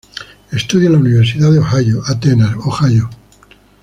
Estudia en la Universidad de Ohio, Athens, Ohio.